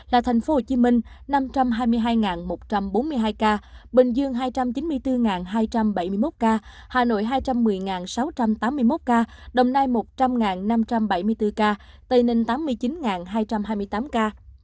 là tp hcm năm trăm hai mươi hai một trăm bốn mươi hai ca bình dương hai trăm chín mươi bốn hai trăm bảy mươi một ca hà nội hai trăm một mươi sáu trăm tám mươi một ca đồng nai một trăm linh năm trăm bảy mươi bốn ca tây ninh tám mươi chín hai trăm hai mươi tám ca